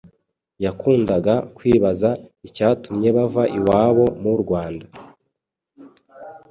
yakundaga kwibaza icyatumye bava iwabo mu Rwanda